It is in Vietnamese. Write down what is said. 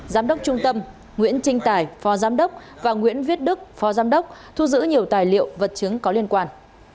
giám đốc trung tâm nguyễn trinh tài phó giám đốc và nguyễn viết đức phó giám đốc thu giữ nhiều tài liệu vật chứng có liên quan